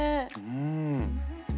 うん。